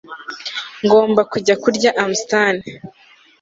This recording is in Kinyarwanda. Ngomba kujya kurya Amastan